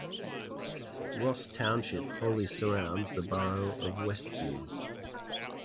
Ross Township wholly surrounds the borough of West View.